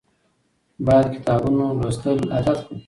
باید کتابونه لوستل عادت کړو.